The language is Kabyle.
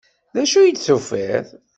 D acu i d-tufiḍ?